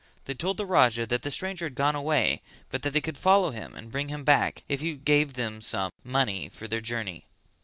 They told the Raja that the stranger had gone away but that they could follow him and bring him back if he gave them some money for their journey.